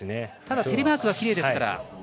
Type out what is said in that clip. ただ、テレマークがきれいですから。